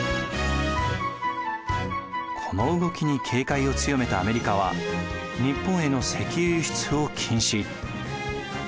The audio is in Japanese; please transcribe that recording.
この動きに警戒を強めたアメリカは日本への石油輸出を禁止。